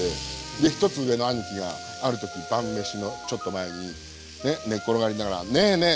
で１つ上の兄貴がある時晩飯のちょっと前に寝っ転がりながら「ねえねえ」。